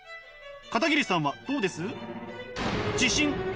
片桐さんはどうです？